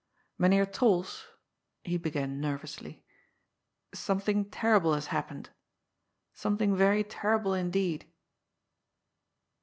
" Mynheer Trols," he began nervously, " something ter rible has happened. Something very terrible indeed."